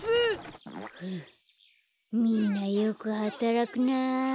ふっみんなよくはたらくな。